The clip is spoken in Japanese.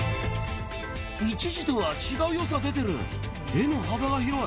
１次とは違うよさ、出てる。